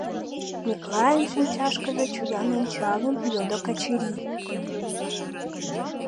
— Миклайын шинчашкыже чоян ончалын, йодо Качырий.